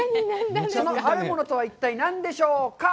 その“あるもの”とは一体、何でしょうか？